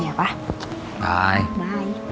ini sesuai permintaannya reina